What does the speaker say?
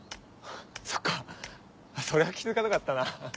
そっかそれは気付かなかったな。